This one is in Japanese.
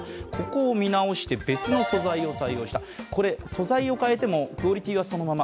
素材を変えてもクオリティーはそのまま。